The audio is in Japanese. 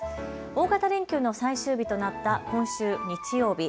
大型連休の最終日となった今週日曜日。